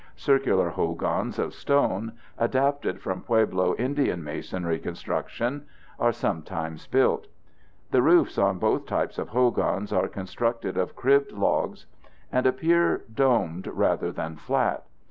Circular hogans of stone, adapted from Pueblo Indian masonry construction, are sometimes built. The roofs on both types of hogans are constructed of cribbed logs and appear domed rather than flat.